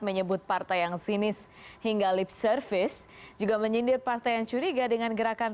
menyebut partai yang sinis hingga lip service juga menyindir partai yang curiga dengan gerakan